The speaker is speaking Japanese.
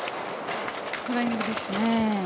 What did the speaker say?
フライングですね。